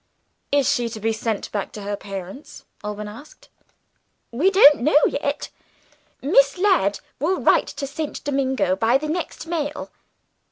"Is she to be sent back to her parents?" Alban asked. "We don't know yet. Miss Ladd will write to St. Domingo by the next mail.